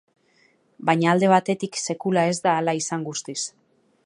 Baina alde batetik, sekula ez da hala izan guztiz.